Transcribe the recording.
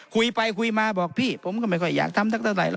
คุยไปคุยมาบอกพี่ผมก็ไม่ค่อยอยากทำสักเท่าไหร